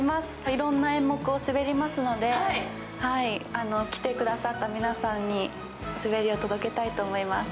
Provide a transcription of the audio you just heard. いろんな演目を滑りますので来てくださった皆さんに滑りを届けたいと思います。